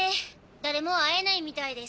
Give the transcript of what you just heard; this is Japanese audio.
誰も会えないみたいです。